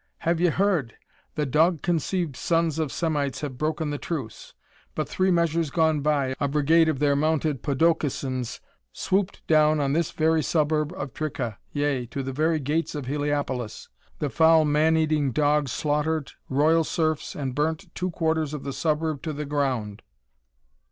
"Have ye heard? The dog conceived sons of Semites have broken the truce! But three measures gone by, a brigade of their mounted podokesons swooped down on this very suburb of Tricca, yea, to the very gates of Heliopolis! The foul man eating dogs slaughtered royal serfs and burnt two quarters of the suburb to the ground!